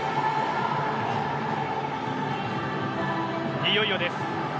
いよいよです。